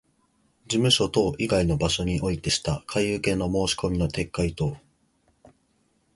事務所等以外の場所においてした買受けの申込みの撤回等